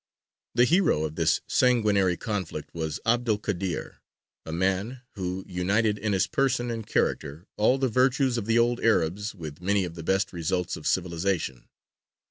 The hero of this sanguinary conflict was 'Abd el Kādir, a man who united in his person and character all the virtues of the old Arabs with many of the best results of civilization.